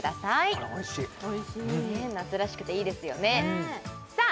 これおいしい夏らしくていいですよねさあ